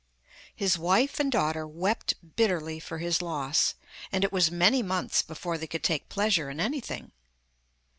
His wife and daughter wept bitterly for his loss, and it was many months before they could take pleasure in anything.